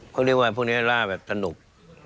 พวกนี้ล่าแบบสนุก